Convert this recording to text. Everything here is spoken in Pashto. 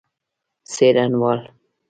څېړنوال